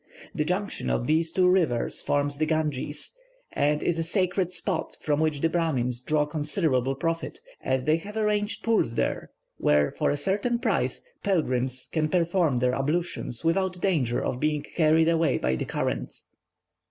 The junction of these two rivers forms the Ganges, and is a sacred spot from which the Brahmins draw considerable profit, as they have arranged pools there, where for a certain price pilgrims can perform their ablutions without danger of being carried away by the current.